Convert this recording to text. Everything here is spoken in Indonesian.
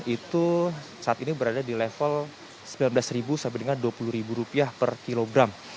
itu saat ini berada di level rp sembilan belas sampai dengan rp dua puluh per kilogram